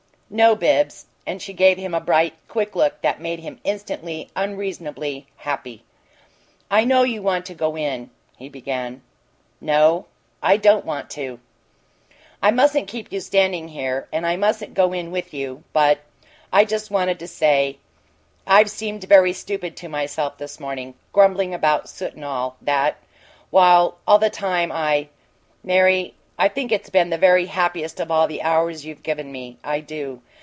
"No, Bibbs." And she gave him a bright, quick look that made him instantly unreasonably happy. "I know you want to go in " he began. "No. I don't want to." "I mustn't keep you standing here, and I mustn't go in with you but I just wanted to say I've seemed very stupid to myself this morning, grumbling about soot and all that while all the time I Mary, I think it's been the very happiest of all the hours you've given me. I do.